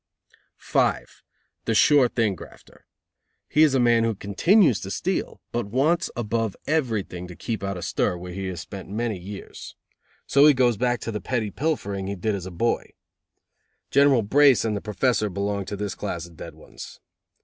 5. The sure thing grafter. He is a man who continues to steal, but wants above everything to keep out of stir, where he has spent many years. So he goes back to the petty pilfering he did as a boy. General Brace and the Professor belonged to this class of "dead ones."